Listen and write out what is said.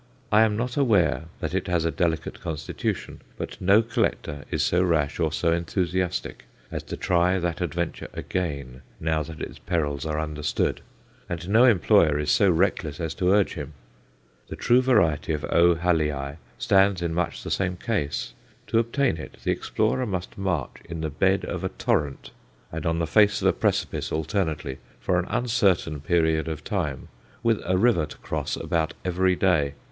I am not aware that it has a delicate constitution; but no collector is so rash or so enthusiastic as to try that adventure again, now that its perils are understood; and no employer is so reckless as to urge him. The true variety of O. Hallii stands in much the same case. To obtain it the explorer must march in the bed of a torrent and on the face of a precipice alternately for an uncertain period of time, with a river to cross about every day.